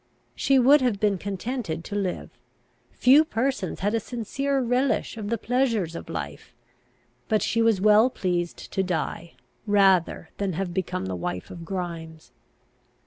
She would have been contented to live. Few persons had a sincerer relish of the pleasures of life; but she was well pleased to die, rather than have become the wife of Grimes.